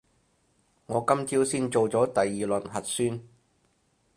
我今朝先做咗第二輪核酸